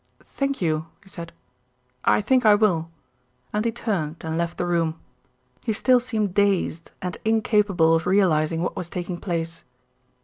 "Thank you," he said. "I think I will," and he turned and left the room. He still seemed dazed and incapable of realising what was taking place.